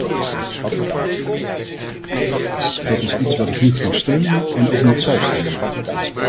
Dat is iets wat ik niet kan steunen en ook niet zal steunen.